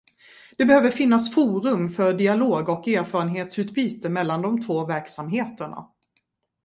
Det behöver finnas forum för dialog och erfarenhetsutbyte mellan de två verksamheterna.